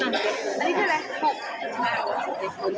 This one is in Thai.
อันนี้ได้ครับอันนี้ได้ครับ